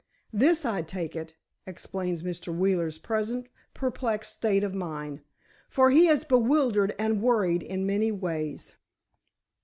This, I take it, explains Mr. Wheeler's present perturbed state of mind—for he is bewildered and worried in many ways."